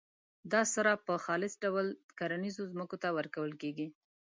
دا سره په خالص ډول کرنیزو ځمکو ته ورکول کیږي.